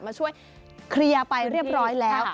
มาช่วยเคลียร์ไปเรียบร้อยแล้ว